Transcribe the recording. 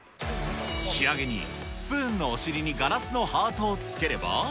仕上げにスプーンのお尻にガラスのハートを付ければ。